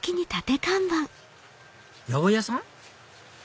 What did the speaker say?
八百屋さん？